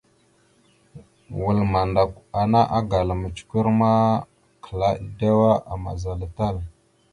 Wal mandakw ana agala mʉcəkœr ma klaa edewa amaza tal.